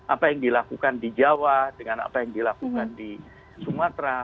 apa yang dilakukan di jawa dengan apa yang dilakukan di sumatera